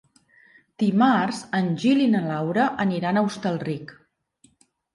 Dimarts en Gil i na Laura aniran a Hostalric.